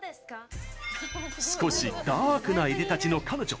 少しダークないでたちの彼女。